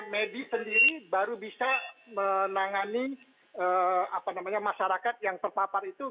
medis sendiri baru bisa menangani masyarakat yang terpapar itu